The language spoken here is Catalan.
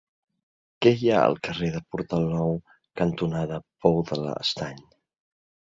Què hi ha al carrer Portal Nou cantonada Pou de l'Estany?